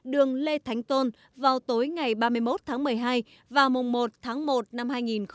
đường lê thánh tôn vào tối ngày ba mươi một tháng một mươi hai và mùng một tháng một năm hai nghìn hai mươi